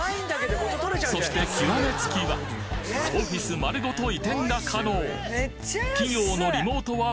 そして極め付きはオフィス丸ごと移転が可能。